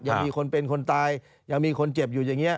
ยังมีคนเป็นคนตายยังมีคนเจ็บอยู่อย่างนี้